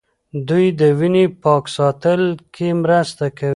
دوی د وینې پاک ساتلو کې مرسته کوي.